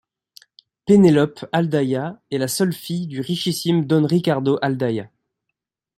Penélope Aldaya est la seule fille du richissime don Ricardo Aldaya.